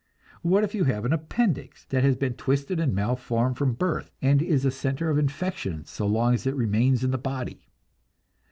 What if you have an appendix that has been twisted and malformed from birth, and is a center of infection so long as it remains in the body?